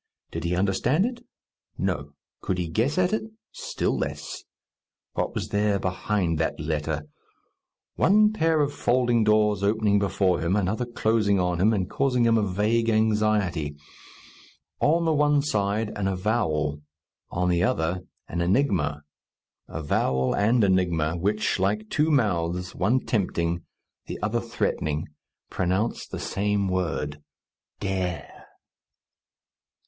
Did he understand it? No. Could he guess at it? Still less. What was there behind that letter? One pair of folding doors opening before him, another closing on him, and causing him a vague anxiety. On the one side an avowal; on the other an enigma avowal and enigma, which, like two mouths, one tempting, the other threatening, pronounce the same word, Dare!